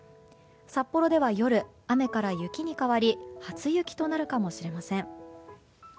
札幌では夜、雨から雪に変わり初雪となるかもしれません。